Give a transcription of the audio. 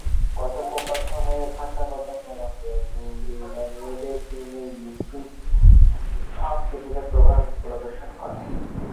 কথোপকথনের ভাষাগত প্রমাণ রয়েছে, ইন্দো-ইরানীয়দের ফিনো-ইউগ্রিক সংস্কৃতিতে প্রভাব প্রদর্শন করে।